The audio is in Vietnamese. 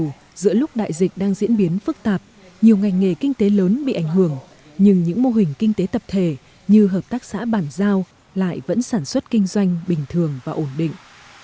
dù giữa lúc đại dịch đang diễn biến phức tạp nhiều ngành nghề kinh tế lớn bị ảnh hưởng nhưng những mô hình kinh tế tập thể như hợp tác xã bản giao lại vẫn sản xuất kinh doanh bình thường và ổn định